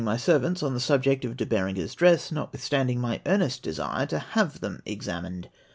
457 servants on the subject of De Berenger's dress, notwitlistand ing my earnest desire to have them examined.